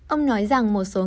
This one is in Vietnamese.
ông nói rằng một số ngành